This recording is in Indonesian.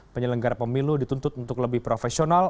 penyelenggara pemilu dituntut untuk lebih profesional